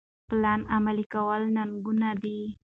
پلان عملي کول ننګونه ده.